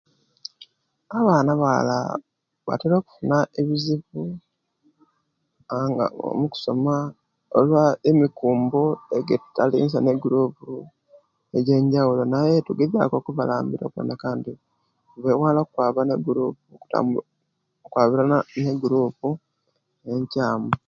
Abaana abaala batira okufuna ebizibu aah nga omukusoma olwa emikumbo egitali nsa ne gurupu egye'njawolo naye tugezaaku okubalambira okuwonaka nti bewala okutambula ne gurupu okutabu okwabirana ne gurupu enkyaamu